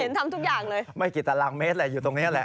ทำทุกอย่างเลยไม่กี่ตารางเมตรแหละอยู่ตรงนี้แหละ